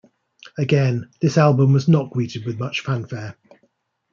Again, this album was not greeted with much fanfare.